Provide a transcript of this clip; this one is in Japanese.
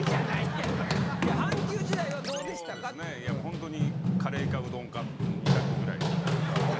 ホントにカレーかうどんかの２択ぐらいだったんで。